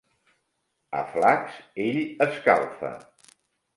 A flacs ell escalfa.